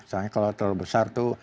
soalnya kalau terlalu besar tuh